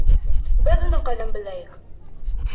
Беҙ уны ҡайҙан беләйек?